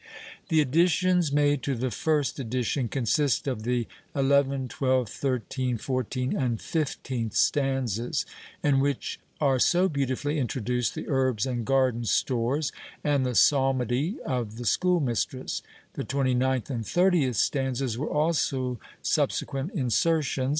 The additions made to the first edition consist of the 11, 12, 13, 14, and 15th stanzas, in which are so beautifully introduced the herbs and garden stores, and the psalmody of the schoolmistress; the 29th and 30th stanzas were also subsequent insertions.